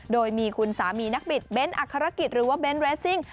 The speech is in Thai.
โดยมีคุณสามีนักบิดเบ้นอักษรกิจหรือว่าเน้นเรสซิ่ง